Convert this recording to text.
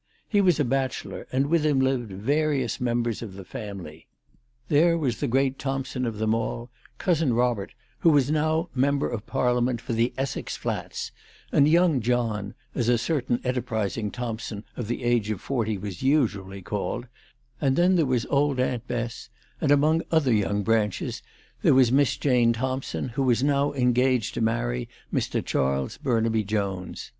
He was a bachelor, and with him lived various members of the family. There was the great Thompson of them all, 256 CHRISTMAS AT THOMPSON HALL. Cousin Robert, who was now member of Parliament for the Essex Flats, and young John, as a certain enter prising Thompson of the age of forty was usually called, and then there was old Aunt Bess, and among other young branches there was Miss Jane Thompson, who was now engaged to marry Mr. Charles Burnaby Jones.